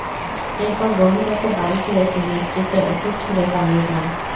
এরপর গভীর রাতে বাড়ি ফিরে তিনি স্ত্রীকে অ্যাসিড ছুড়ে পালিয়ে যান।